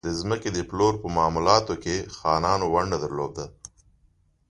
د ځمکو د پلور په معاملاتو کې خانانو ونډه درلوده.